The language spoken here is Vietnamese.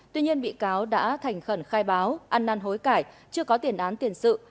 tuy nhiên bị cáo đã thành khẩn khai báo ăn năn hối cải chưa có tiền án tiền sự